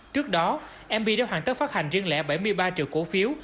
trước đó mb đã hoàn tất phát hành riêng lẻ bảy mươi ba triệu cổ phiếu